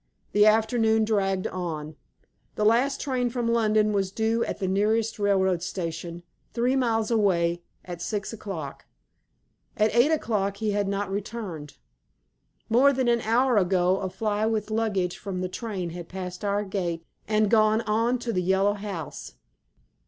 The afternoon dragged on. The last train from London was due at the nearest railway station three miles away at six o'clock. At eight o'clock he had not returned. More than an hour ago a fly with luggage from the train had passed our gate and gone on to the Yellow House.